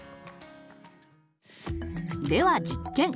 では実験！